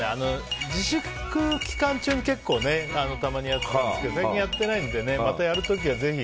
自粛期間中に結構たまにやってたんですけど最近やってないのでねまたやる時はぜひ。